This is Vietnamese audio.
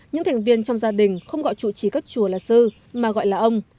những thành viên trong gia đình không gọi chủ trí các chùa là sư mà gọi là ông